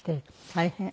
大変。